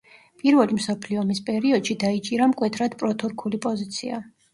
პირველი მსოფლიო ომის პერიოდში დაიჭირა მკვეთრად პროთურქული პოზიცია.